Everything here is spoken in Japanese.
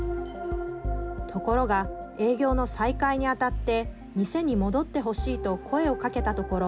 ところが営業の再開にあたって店に戻ってほしいと声をかけたところ